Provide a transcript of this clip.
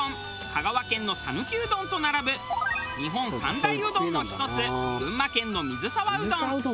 香川県の讃岐うどんと並ぶ日本三大うどんの一つ群馬県の水沢うどん。